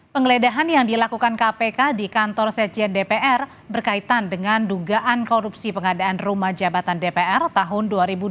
penggeledahan yang dilakukan kpk di kantor sekjen dpr berkaitan dengan dugaan korupsi pengadaan rumah jabatan dpr tahun dua ribu dua puluh